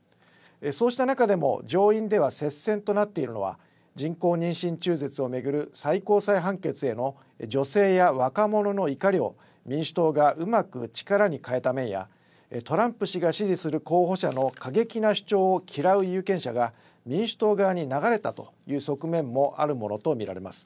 そうした中でも上院では接戦となっているのは人工妊娠中絶を巡る最高裁判決への女性や若者の怒りを民主党がうまく力に変えた面やトランプ氏が支持する候補者の過激な主張を嫌う有権者が民主党側に流れたという側面もあるものと見られます。